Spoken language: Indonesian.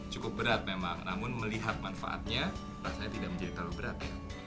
cukup berat memang namun melihat manfaatnya rasanya tidak menjadi terlalu berat ya